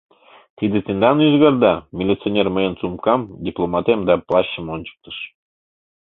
— Тиде тендан ӱзгарда? — милиционер мыйын сумкам, дипломатем да плащым ончыктыш.